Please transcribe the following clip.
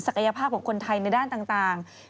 ภาพของคนไทยในด้านต่าง